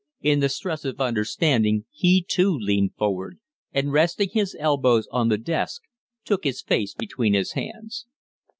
In the stress of understanding he, too, leaned forward, and, resting his elbows on the desk, took his face between his hands.